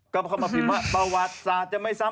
ก็เข้ามาพิมพ์ว่าประวัติศาสตร์จะไม่ซ้ำ